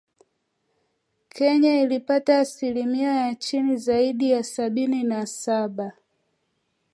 Kenya ilipata asilimia ya chini zaidi ya sabini na saba .